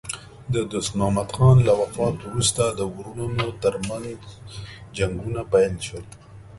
د دوست محمد خان له وفات وروسته د وروڼو ترمنځ جنګونه پیل شول.